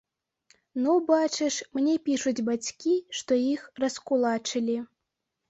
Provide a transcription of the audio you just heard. Ну, бачыш, мне пішуць бацькі, што іх раскулачылі.